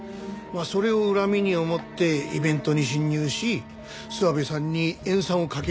それを恨みに思ってイベントに侵入し諏訪部さんに塩酸をかけようとした。